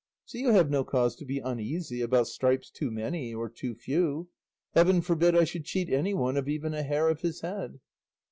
So you have no cause to be uneasy about stripes too many or too few; heaven forbid I should cheat anyone of even a hair of his head."